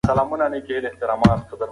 د پښتو خدمت د هر با احساسه پښتون کار دی.